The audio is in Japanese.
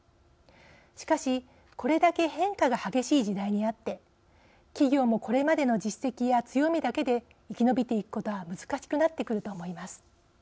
しかし、これだけ変化が激しい時代にあって企業もこれまでの実績や強みだけでは生き延びていくことが難しくなってくると思います。